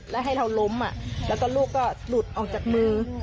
แล้วให้เราล้มแล้วก็ลูกก็หลุดออกจากมือ